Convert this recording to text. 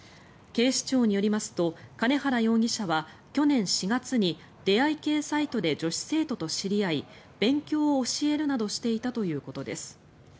警視庁によりますと兼原容疑者は去年４月に出会い系サイトで女子生徒と知り合い勉強を教えるなどしていたということです。